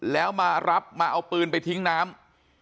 แล้วมารับมาเอาปืนไปทิ้งน้ำ